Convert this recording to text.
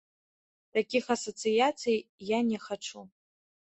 Такіх асацыяцый я не хачу.